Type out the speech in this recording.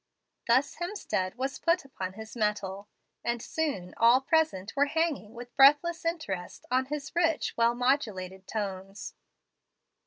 Thus Hemstead was put upon his mettle, and soon all present were hanging with breathless interest on his rich, well modulated tones.